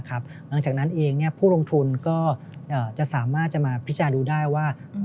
หลังจากนั้นเองผู้ลงทุนก็จะสามารถจะมาพิจารณ์ดูได้ว่า